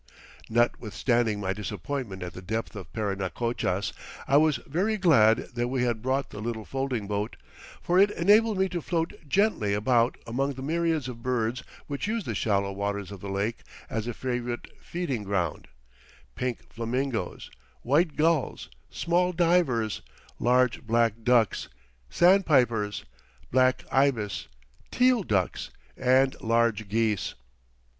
Notwithstanding my disappointment at the depth of Parinacochas, I was very glad that we had brought the little folding boat, for it enabled me to float gently about among the myriads of birds which use the shallow waters of the lake as a favorite feeding ground; pink flamingoes, white gulls, small "divers," large black ducks, sandpipers, black ibis, teal ducks, and large geese.